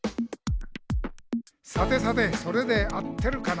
「さてさてそれで合ってるかな？」